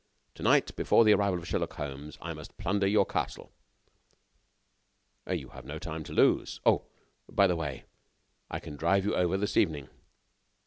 "To night, before the arrival of Sherlock Holmes, I must plunder your castle." "You have no time to lose. Oh! by the way, I can drive you over this evening."